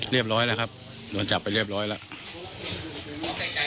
เรียบร้อยแล้วครับโดนจับไปเรียบร้อยแล้ว